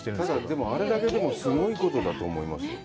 ただ、あれだけでもすごいことだと思いますよ。